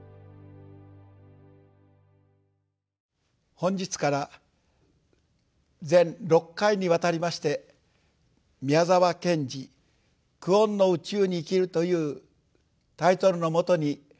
本日から全６回にわたりまして「宮沢賢治久遠の宇宙に生きる」というタイトルのもとにお話をさせて頂きます。